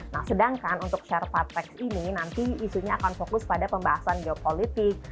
nah sedangkan untuk sharefa tax ini nanti isunya akan fokus pada pembahasan geopolitik